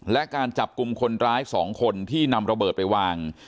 และการจับกลุ่มคนร้าย๒คนที่นำระเบิดไปวาง